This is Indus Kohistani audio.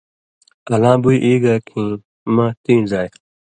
الاں بُوئ ای گا کھیں مہ تیں زائ